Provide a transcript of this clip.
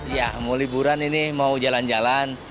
ya mau liburan ini mau jalan jalan